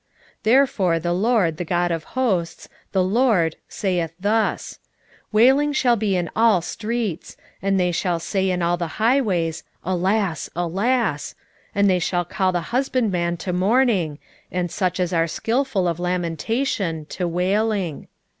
5:16 Therefore the LORD, the God of hosts, the LORD, saith thus; Wailing shall be in all streets; and they shall say in all the highways, Alas! alas! and they shall call the husbandman to mourning, and such as are skilful of lamentation to wailing.